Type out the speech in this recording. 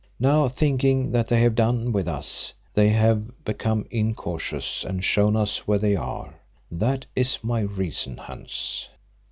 Now, thinking that they have done with us, they have become incautious and shown us where they are. That is my reason, Hans."